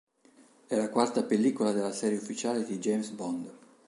È la quarta pellicola della serie ufficiale di James Bond.